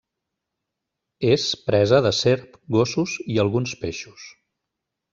És presa de serp, gossos i alguns peixos.